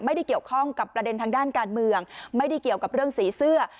ไม่ได้เกี่ยวข้องกับประเด็นทางด้านการเมืองไม่ได้เกี่ยวกับเรื่องสีเสื้อ